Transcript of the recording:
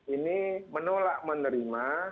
ini menolak menerima